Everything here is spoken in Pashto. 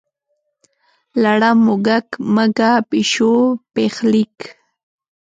لړم، موږک، مږه، پیشو، پیښلیک.